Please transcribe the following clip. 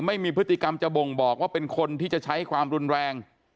ไม่มีพฤติกรรมจะบ่งบอกว่าเป็นคนที่จะใช้ความรุนแรง